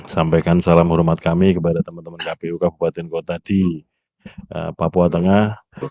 sampaikan salam hormat kami kepada teman teman kpu kabupaten kota di papua tengah